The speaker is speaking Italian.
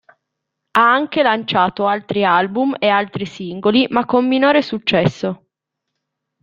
Ha anche lanciato altri album e altri singoli, ma con minore successo.